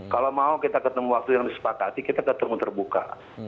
kalau mau kita ketemu waktu yang disepakati kita ketemu terbuka